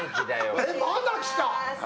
えっ、まだ来た！